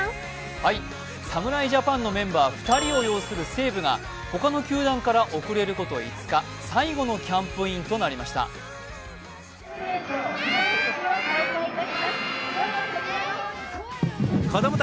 侍ジャパンのメンバー２人を擁する西武が他の球団から遅れること５日最後のキャンプインとなりました。